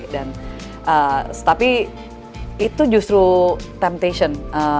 dan tapi itu justru temptation